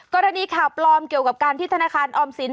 กรณีข่าวปลอมเกี่ยวกับการที่ธนาคารออมสิน